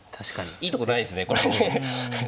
いいとこないですね。